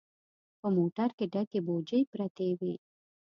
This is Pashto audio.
په موټر کې ډکې بوجۍ پرتې وې.